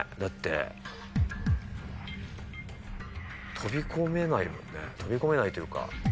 飛び込めないもんね飛び込めないというか。